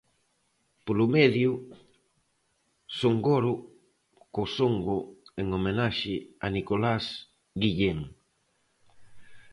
Polo medio, Songoro Cosongo en homenaxe a Nicolás Guillén.